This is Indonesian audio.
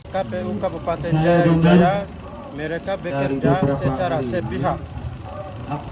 kpu kabupaten jaya mereka bekerja secara sepihak